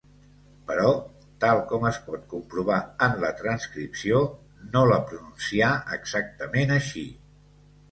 Però –tal com es pot comprovar en la transcripció– no la pronuncià exactament així.